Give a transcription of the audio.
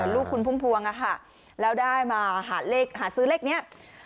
ลูกคุณพุ่มพวงแล้วได้มาหาเลขหาซื้อเลขนี้